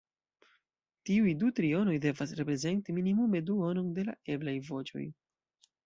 Tiuj du trionoj devas reprezenti minimume duonon de la eblaj voĉoj.